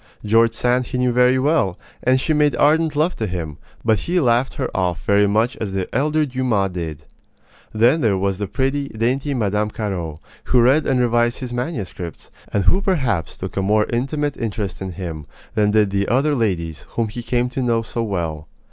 George Sand he knew very well, and she made ardent love to him; but he laughed her off very much as the elder Dumas did. Then there was the pretty, dainty Mme. Carraud, who read and revised his manuscripts, and who perhaps took a more intimate interest in him than did the other ladies whom he came to know so well.